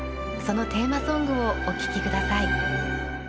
そのテーマソングをおききください。